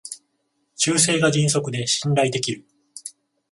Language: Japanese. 修正が迅速で信頼できる